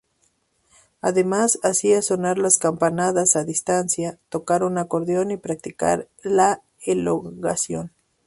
Además hacía sonar las campanas a distancia, tocar un acordeón y practicar la elongación.